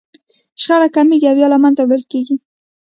شخړه کمیږي او يا له منځه وړل کېږي.